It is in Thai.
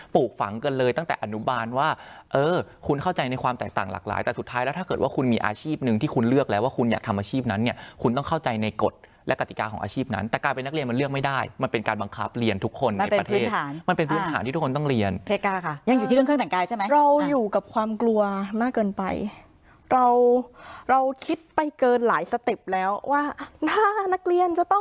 ปลูกฝังกันเลยตั้งแต่อนุบาลว่าเออคุณเข้าใจในความแตกต่างหลากหลายแต่สุดท้ายแล้วถ้าเกิดว่าคุณมีอาชีพหนึ่งที่คุณเลือกแล้วว่าคุณอยากทำอาชีพนั้นเนี้ยคุณต้องเข้าใจในกฎและกฎิกาของอาชีพนั้นแต่การเป็นนักเรียนมันเลือกไม่ได้มันเป็นการบังคับเรียนทุกคนในประเทศมันเป็นพื้นฐ